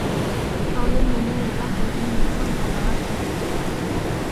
كۆڭلۈم مېنى ياتاق ئۆيدىن مېھمانخانىغا سۆرەيتتى.